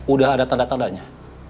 udah ada tanda tandanya